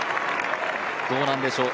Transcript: どうなんでしょう